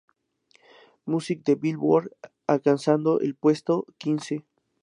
Music" de Billboard, alcanzando el puesto quince.